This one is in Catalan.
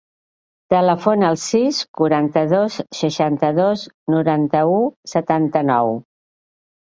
Telefona al sis, quaranta-dos, seixanta-dos, noranta-u, setanta-nou.